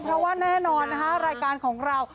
เพราะว่าแน่นอนนะคะรายการของเรา